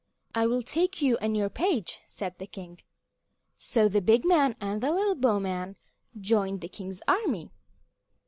"I will take you and your page," said the king. So the big man and the little bowman joined the king's army.